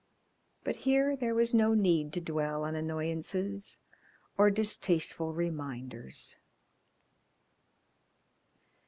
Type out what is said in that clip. But here there was no need to dwell on annoyances or distasteful reminders.